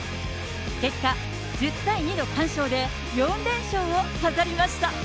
結果、１０対２の完勝で、４連勝を飾りました。